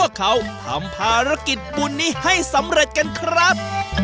เพื่อให้พวกเขาทำภารกิจบุญนี้ให้สำเร็จกันครับ